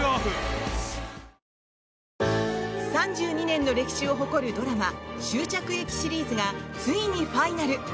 ３２年の歴史を誇るドラマ「終着駅シリーズ」がついにファイナル！